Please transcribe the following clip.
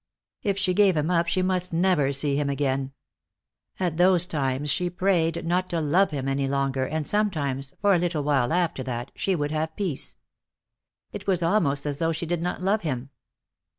If she gave him up she must never see him again. At those times she prayed not to love him any longer, and sometimes, for a little while after that, she would have peace. It was almost as though she did not love him.